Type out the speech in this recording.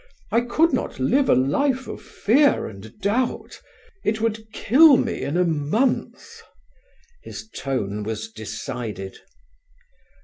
I could not live a life of fear and doubt: it would kill me in a month." His tone was decided.